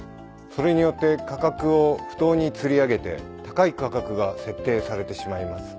それによって価格を不当につり上げて高い価格が設定されてしまいます。